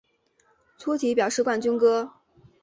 粗体表示冠军歌